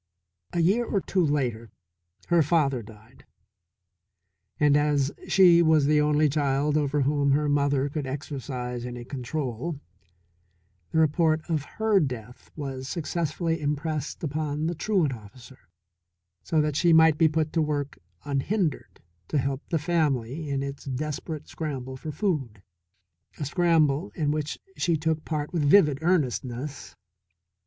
A year or two later her father died, and as she was the only child over whom her mother could exercise any control, the report of her death was successfully impressed upon the truant officer, so that she might be put to work unhindered to help the family in its desperate scramble for food, a scramble in which she took part with vivid earnestness.